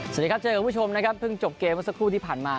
สวัสดีครับเจอกับคุณผู้ชมนะครับเพิ่งจบเกมเมื่อสักครู่ที่ผ่านมา